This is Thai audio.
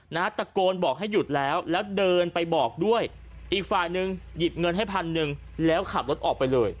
ตะโกนบอกให้หยุดแล้วแล้วเดินไปบอกด้วยอีกฝ่ายหนึ่งหยิบเงินให้พันหนึ่งแล้วขับรถออกไปเลย